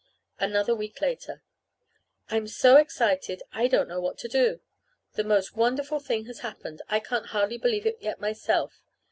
Another week later. I'm so excited I don't know what to do. The most wonderful thing has happened. I can't hardly believe it yet myself.